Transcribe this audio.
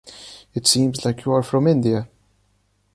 It seems like you are from India.